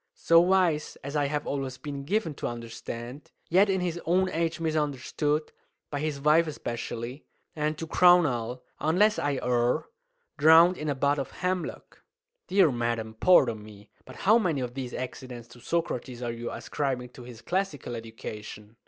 "So wise, as I have always been given to understand, yet in his own age misunderstood, by his wife especially! And, to crown all, unless I err, drowned in a butt of hemlock!" "Dear madam, pardon me; but how many of these accidents to Socrates are you ascribing to his classical education?"